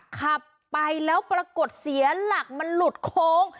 ขับไปแล้วปรากฏเสียหลักมันหลุดโค้ง